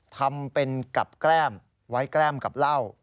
ทำเป็นกับแก้มไว้แกล้มกับเหล้า